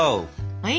はい。